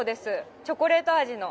チョコレート味の。